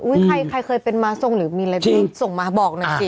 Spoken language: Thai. อุ้ยใครเคยเป็นมาส่งหรือมีอะไรส่งมาบอกหน่อยสิ